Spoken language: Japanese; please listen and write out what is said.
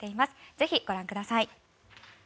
ぜひご覧ください。